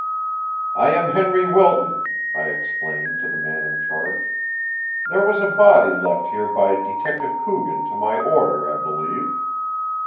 "I am Henry Wilton," I explained to the man in charge. "There was a body left here by Detective Coogan to my order, I believe."